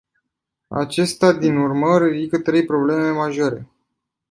Aceasta din urmă ridică trei probleme majore.